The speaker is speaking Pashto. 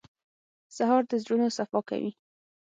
سهار د زړونو صفا کوي.